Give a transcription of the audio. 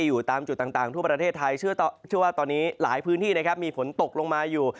อยู่ตามจุดต่างทั่วประเทศไทยเชื่อว่าตอนนี้หลายพื้นที่นะครับมีฝนตกลงมาอยู่